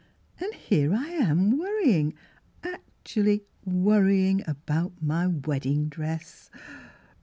" And here I am worrying — actually worrying about my wedding dress